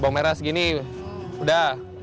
bawang merah segini udah